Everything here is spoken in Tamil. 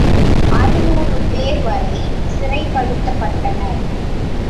அறுநூறு பேர் வரை சிறைப்படுத்தப்பட்டனர்.